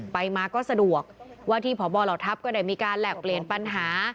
ไปมาก็สะดวกว่าที่พบเหล่าทัพก็ได้มีการแหลกเปลี่ยนปัญหา